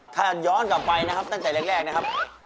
ถ้าย้อนกลับไปนะครับตั้งแต่แรกนะครับ